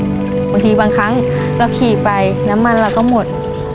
บางทีบางครั้งเราขี่ไปน้ำมันเราก็หมด